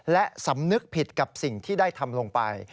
และสำนึกผิดกับสิ่งที่ได้ทำลงไป